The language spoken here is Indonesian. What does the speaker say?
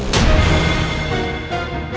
tidak ada hubungan